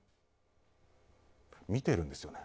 見てるんですよね。